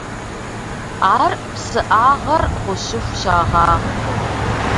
Ар псыӏагъэр гъущыху щагъагъ.